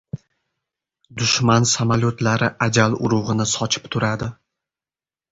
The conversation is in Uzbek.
Dushman samolyotlari ajal urug‘ini sochib turadi!